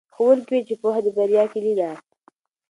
ښوونکي وویل چې پوهه د بریا کیلي ده.